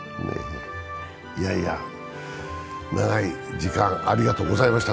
いやいや、長い時間、ありがとうございました。